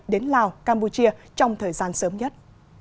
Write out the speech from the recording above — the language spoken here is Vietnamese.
đến lào campuchia trong thời gian sớm nhất